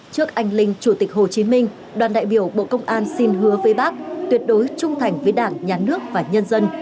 trước anh linh chủ tịch hồ chí minh đoàn đại biểu bộ công an xin hứa với bác tuyệt đối trung thành với đảng nhà nước và nhân dân